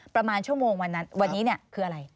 ประมาณชั่วโมงวันนั้นวันนี้คืออะไร